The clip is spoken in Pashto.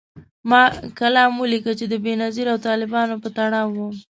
ما کالم ولیکه چي د بېنظیر او طالبانو په تړاو و